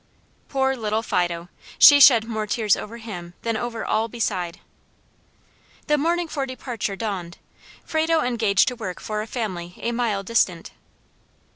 Poor little Fido! She shed more tears over him than over all beside. The morning for departure dawned. Frado engaged to work for a family a mile distant.